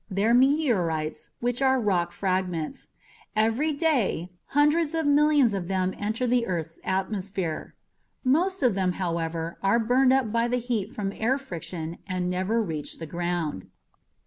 They're meteorites, which are rock fragments. Every day, hundreds of millions of them enter the earth's atmosphere. Most of them, however, are burned up by the heat from air friction and never reach the ground.